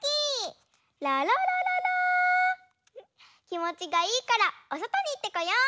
きもちがいいからおそとにいってこよう！